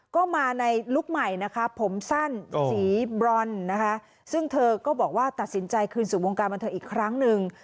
ก็มาในลุคใหม่นะคะผมสั้นสีบรอนนะคะซึ่งเธอก็บอกว่าตัดสินใจคืนสู่วงการบันเทิงอีกครั้งหนึ่ง